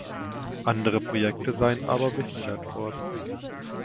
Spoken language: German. Andere Projekte seien aber behindert worden.